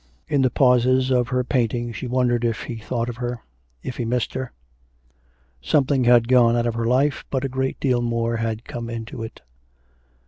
In the pauses of her painting she wondered if he thought of her, if he missed her. Something had gone out of her life, but a great deal more had come into it.